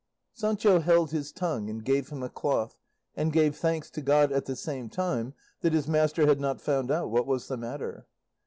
Sancho held his tongue, and gave him a cloth, and gave thanks to God at the same time that his master had not found out what was the matter.